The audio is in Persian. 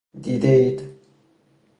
دیده اید